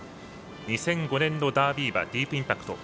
２００５年のダービー馬ディープインパクト。